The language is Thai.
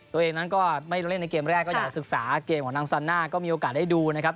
ตัวเองนั้นก็ไม่ได้เล่นในเกมแรกก็อยากจะศึกษาเกมของนางซาน่าก็มีโอกาสได้ดูนะครับ